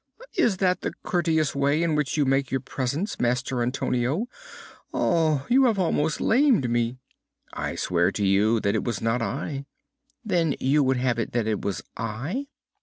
is that the courteous way in which you make your presents, Master Antonio? You have almost lamed me!" "I swear to you that it was not I!" "Then you would have it that it was I?"